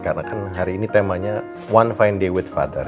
karena kan hari ini temanya one fine day with father